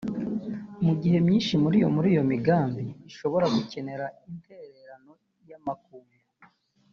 Mu gihe myinshi muri iyo migamnbi ishobora gukenera intererano y’amakungu